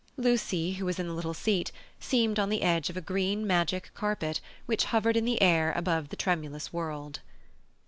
Lucy, who was in the little seat, seemed on the edge of a green magic carpet which hovered in the air above the tremulous world.